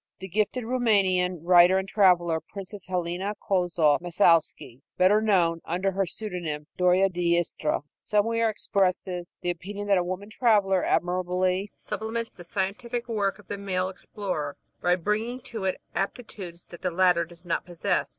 The gifted Roumanian writer and traveler, Princess Helena Kolzoff Massalsky, better known under her pseudonym, Doria d'Istria, somewhere expresses the opinion that a woman traveler admirably supplements the scientific work of the male explorer by bringing to it aptitudes that the latter does not possess.